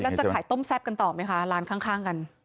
แล้วจะขายต้มแซ่บกันต่อไหมคะร้านข้างกัน